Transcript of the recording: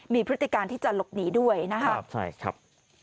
มีพฤติการที่จะหลบหนีด้วยนะครับใช่ครับ